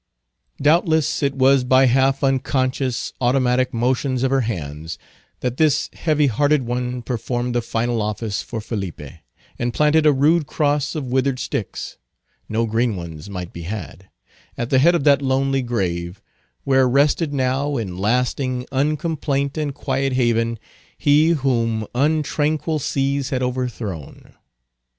Doubtless, it was by half unconscious, automatic motions of her hands, that this heavy hearted one performed the final office for Felipe, and planted a rude cross of withered sticks—no green ones might be had—at the head of that lonely grave, where rested now in lasting un complaint and quiet haven he whom untranquil seas had overthrown.